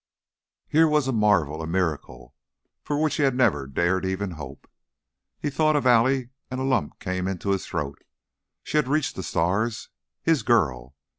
Here was a marvel, a miracle, for which he had never dared even hope. He thought of Allie and a lump came into his throat. She had reached the stars. His girl!